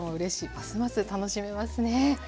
ますます楽しめますね。